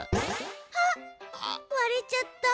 あっ割れちゃった。